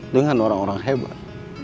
dengan orang orang hebat